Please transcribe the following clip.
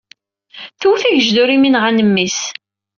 Tewwet agejdur mi nɣan mmi-s.